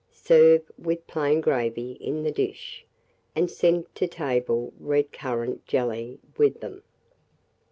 Serve with plain gravy in the dish, and send to table red currant jelly with them.